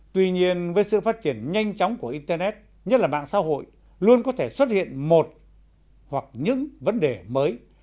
tuy nhiên với sự phát triển nhanh chóng của internet nhất là mạng xã hội luôn có thể xuất hiện một hoặc những vấn đề mới